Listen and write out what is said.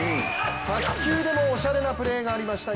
卓球でもおしゃれなプレーがありました。